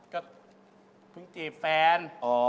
ก็เพิ่งจีบแฟน